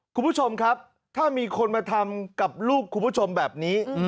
คุณผู้ชมครับถ้ามีคนมาทำกับลูกคุณผู้ชมแบบนี้